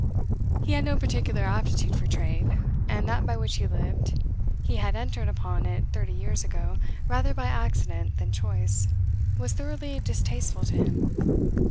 He had no particular aptitude for trade, and that by which he lived (he had entered upon it thirty years ago rather by accident than choice) was thoroughly distasteful to him.